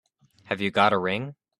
Have you got a ring?